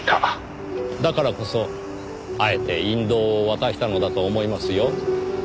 だからこそあえて引導を渡したのだと思いますよ。